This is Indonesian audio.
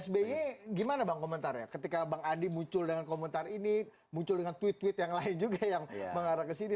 sby gimana bang komentarnya ketika bang adi muncul dengan komentar ini muncul dengan tweet tweet yang lain juga yang mengarah ke sini